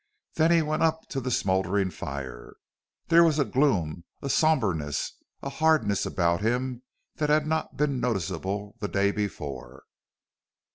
Then he went up to the smoldering fire. There was a gloom, a somberness, a hardness about him that had not been noticeable the day before.